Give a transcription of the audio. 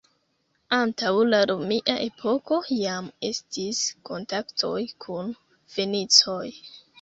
Antaŭ la romia epoko jam estis kontaktoj kun fenicoj.